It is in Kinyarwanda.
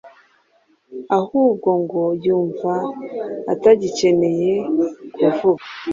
ahubwo ngo yumva atagikeneye kuvuga